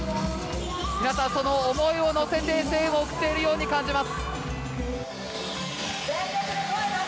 皆さん、その思いを乗せて声援を送っているように感じます。